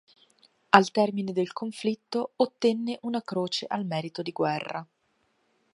Al termine del conflitto ottenne una croce al merito di guerra.